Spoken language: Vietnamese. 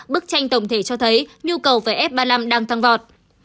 bức tranh tổng thể cho thấy nhu cầu về f ba mươi năm đang tăng vọt